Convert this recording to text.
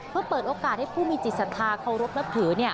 เพื่อเปิดโอกาสให้ผู้มีจิตศรัทธาเคารพนับถือ